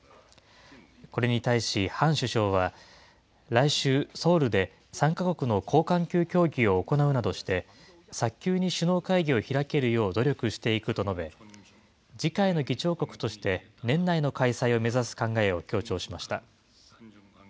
これに対しハン首相は、来週、ソウルで３か国の高官級協議を行うなどして、早急に首脳会議を開けるよう努力していくと述べ、次回の議長国として年内の開催を目指す考えを強調しました。